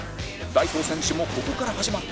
代表選手もここから始まった